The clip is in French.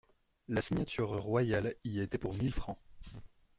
La signature royale y était pour mille francs.